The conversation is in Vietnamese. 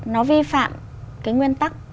nó vi phạm cái nguyên tắc